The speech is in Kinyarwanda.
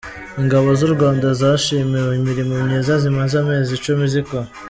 Ingabo z’u Rwanda zashimiwe imirimo myiza zimaze amezi icumi zikora.